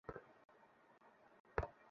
ভালো পুলিশ হয়েছি।